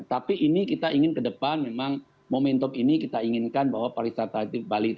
tapi ini kita ingin kedepan memang momentum ini kita inginkan bahwa pariwisata di bali itu